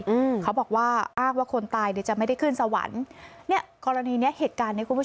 อืมเขาบอกว่าเปล่าควรตายเนี้ยจะไม่ได้ขึ้นสวรรค์เนี้ยกรณีเนี้ยเหตุการณ์